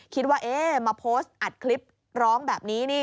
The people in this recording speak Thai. คิดว่าเอ๊ะมาโพสต์อัดคลิปร้องแบบนี้นี่